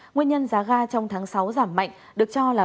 nguyên nhân giá ga trong tháng sáu giảm mạnh được cho là